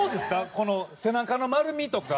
この背中の丸みとか。